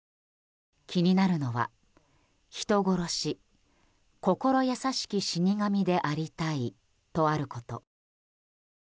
気になるのは、「人殺し」「心優しき死神でありたい」とあること。